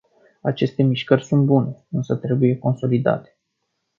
Aceste mișcări sunt bune, însă trebuie consolidate.